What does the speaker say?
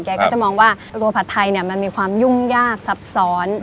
ก็จะมองว่าตัวผัดไทยเนี่ยมันมีความยุ่งยากซับซ้อน